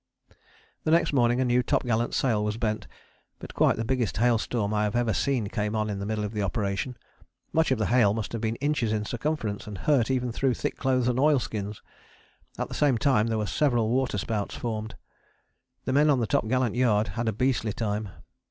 The next morning a new topgallant sail was bent, but quite the biggest hailstorm I have ever seen came on in the middle of the operation. Much of the hail must have been inches in circumference, and hurt even through thick clothes and oilskins. At the same time there were several waterspouts formed. The men on the topgallant yard had a beastly time.